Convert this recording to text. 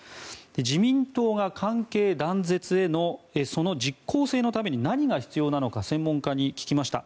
自民党が関係断絶へのその実効性のために何が必要なのか専門家に聞きました。